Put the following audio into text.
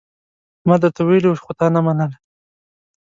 ما درته ويلي وو، خو تا ونه منله.